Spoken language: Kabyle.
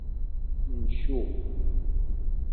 Ncu.